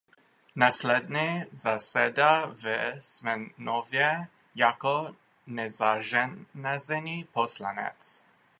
Následně zasedá v sněmovně jako nezařazený poslanec.